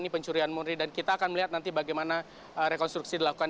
ini pencurian murni dan kita akan melihat nanti bagaimana rekonstruksi dilakukan